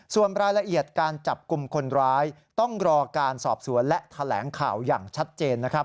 ส่วนรายละเอียดการจับกลุ่มคนร้ายต้องรอการสอบสวนและแถลงข่าวอย่างชัดเจนนะครับ